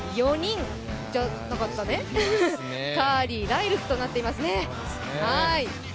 カーリー、ライルズとなっていますね。